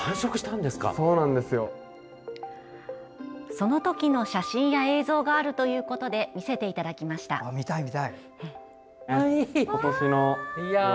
そのときの写真や映像があるということで見せていただきました。